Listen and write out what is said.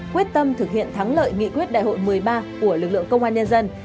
quyết tâm thực hiện thắng lợi nghị quyết đại hội một mươi ba của lực lượng công an nhân dân